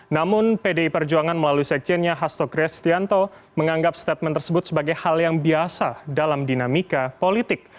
namun pdi perjuangan melalui sekjennya hasto kristianto menganggap statement tersebut sebagai hal yang biasa dalam dinamika politik